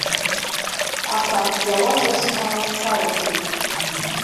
Аха, иауазар сҳәан, салагеит.